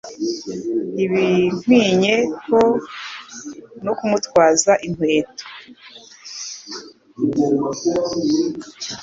ntibinkwinye no kumutwaza inkweto,